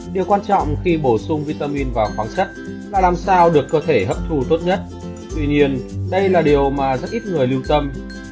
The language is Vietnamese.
điều quan trọng khi bổ sung vitamin vào khoáng chất là làm sao được cơ thể hấp thu tốt nhất tuy nhiên đây là điều mà rất ít người lưu tâm